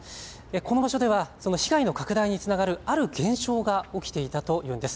この場所ではその被害の拡大につながるある現象が起きていたというんです。